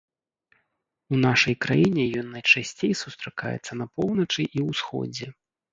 У нашай краіне ён найчасцей сустракаецца на поўначы і ўсходзе.